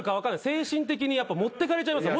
精神的に持ってかれちゃいます。